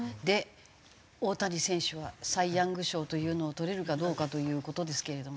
大谷選手はサイ・ヤング賞というのをとれるかどうかという事ですけれども。